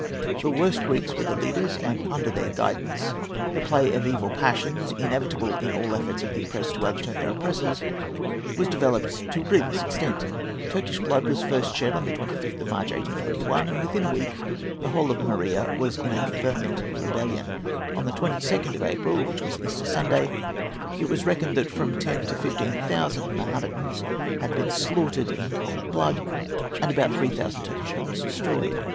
The worst Greeks were the leaders, and, under their guidance, the play of evil passions—inevitable in all efforts of the oppressed to overturn their oppressors—was developed to a grievous extent. Turkish blood was first shed on the 25th of March, 1821, and within a week the whole of the Morea was in a ferment of rebellion. By the 22nd of April, which was Easter Sunday, it is reckoned that from ten to fifteen thousand Mahometans had been slaughtered in cold blood, and about three thousand Turkish homes destroyed.